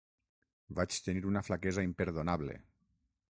Vaig tenir una flaquesa imperdonable.